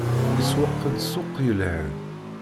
Isewweq-d ssuq yelhan.